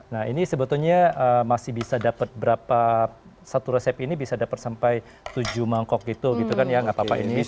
nah ini sebetulnya masih bisa dapat berapa satu resep ini bisa dapat sampai tujuh mangkok gitu gitu kan ya nggak apa apa ini